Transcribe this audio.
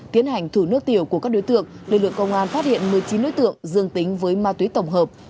tiến hành thủ nước tiểu của các đối tượng lực lượng công an phát hiện một mươi chín đối tượng dương tính với ma túy tổng hợp